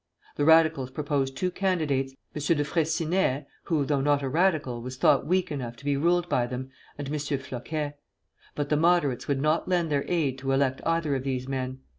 The Radicals proposed two candidates, M. De Freycinet, who, though not a Radical, was thought weak enough to be ruled by them, and M. Floquet. But the Moderates would not lend their aid to elect either of these men.